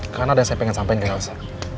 karena ada yang saya ingin sampaikan ke elsa